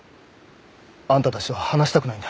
あんたたちとは話したくないんだ。